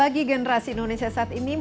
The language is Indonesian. bagi generasi indonesia saat ini